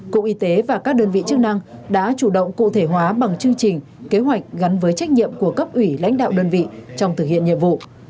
cục y tế và các đơn vị chức năng đã chủ động cụ thể hóa bằng chương trình kế hoạch gắn với trách nhiệm của cấp ủy lãnh đạo đơn vị trong thực hiện nhiệm vụ